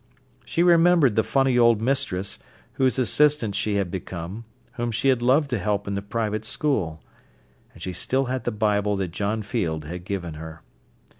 She remembered the funny old mistress, whose assistant she had become, whom she had loved to help in the private school. And she still had the Bible that John Field had given her.